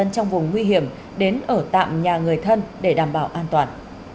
trong vùng nguy hiểm đến ở tạm nhà người thân để đảm bảo an toàn